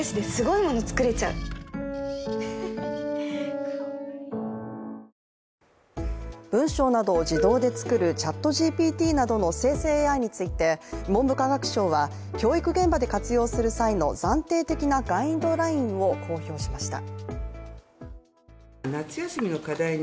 夏にピッタリ文章などを自動で作る ＣｈａｔＧＰＴ などの生成 ＡＩ について文部科学省は教育現場で活用する際の暫定的なガイドラインを公表しました。